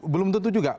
belum tentu juga